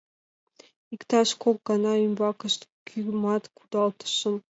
Иктаж кок гана ӱмбакышт кӱымат кудалтышым.